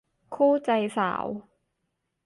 คู่ใจสาว